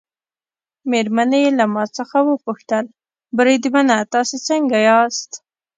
مېرمنې یې له ما څخه وپوښتل: بریدمنه تاسي څنګه یاست؟